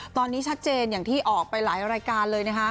ตอนนี้ชัดเจนอย่างที่ออกไปหลายรายการเลยนะคะ